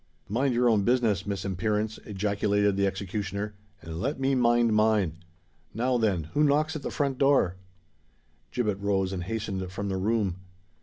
"Mind your own business, Miss Imperence!" ejaculated the executioner; "and let me mind mine. Now, then—who knocks at the front door?" Gibbet rose and hastened from the room.